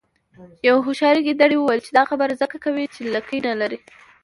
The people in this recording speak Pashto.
یوې هوښیارې ګیدړې وویل چې دا خبره ځکه کوې چې لکۍ نلرې.